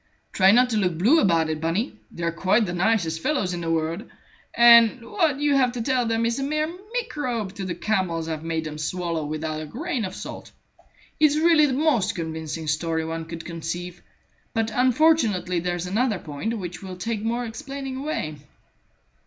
Try not to look blue about it, Bunny. They're quite the nicest fellows in the world, and what you have to tell them is a mere microbe to the camels I've made them swallow without a grain of salt. It's really the most convincing story one could conceive; but unfortunately there's another point which will take more explaining away."